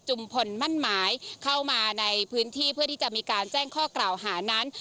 จุมศมขอมาในพื้นที่เพื่อจับมีการแจ้งข้อกราวหานั้น